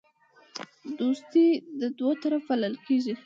دوستي دوطرفه پالل کیږي